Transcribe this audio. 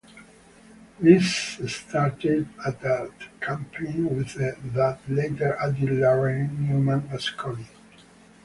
This started an ad campaign with that later added Laraine Newman as Connie.